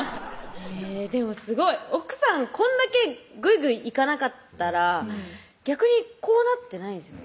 へぇでもすごい奥さんこんだけグイグイいかなかったら逆にこうなってないですよね